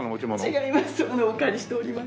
違います